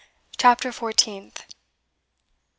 CHAPTER FOURTEENTH.